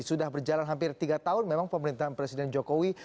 sudah berjalan hampir tiga tahun memang pemerintahan presiden jokowi